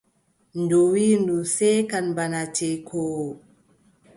Ndu wiʼi ndu seekan bana ceekoowo.